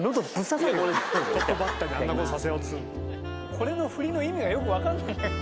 これのフリの意味がよくわかんない。